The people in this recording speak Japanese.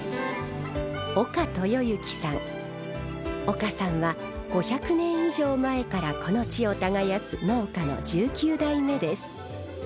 岡さんは５００年以上前からこの地を耕す農家の１９代目です。